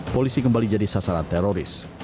polisi kembali jadi sasaran teroris